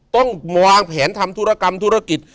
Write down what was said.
ต้องวางแผนทำธุรกรรมธุรกิจ